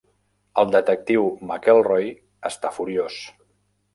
El detectiu McElroy està furiós.